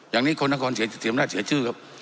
อย่างนี้คนนครเสียชื่อครับ